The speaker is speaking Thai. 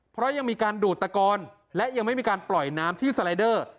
เพราะยังมีการดูดตะกอนและยังไม่มีการปล่อยน้ำที่สไลเดอร์